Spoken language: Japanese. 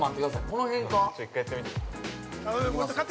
この辺か。